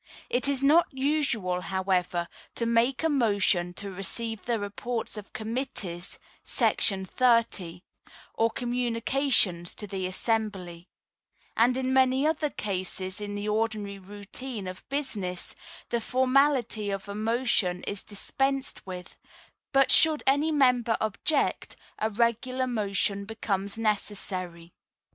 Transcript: It is not usual, however, to make a motion to receive the reports of committees [§ 30] or communications to the assembly; and in many other cases in the ordinary routine of business, the formality of a motion is dispensed with; but should any member object, a regular motion becomes necessary.